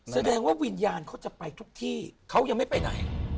แสดงว่าวิญญาณเขาจะไปทุกที่เขายังไม่ไปไหน